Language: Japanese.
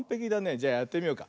じゃやってみようか。